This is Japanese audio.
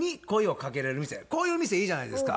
こういう店いいじゃないですか。